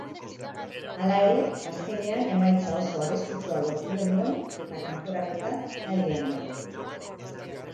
Hala ere, azkenean emaitza oso arriskutsua lortu genuen eta kanporaketa airean dago.